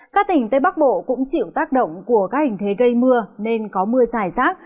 các tỉnh tây bắc bộ cũng chịu tác động của các hình thế gây mưa nên có mưa dài rác